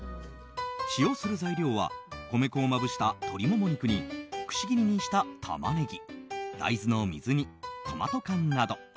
使用する材料は米粉をまぶした鶏モモ肉にくし切りにしたタマネギ大豆の水煮、トマト缶など。